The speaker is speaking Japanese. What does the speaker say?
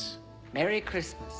メリークリスマス。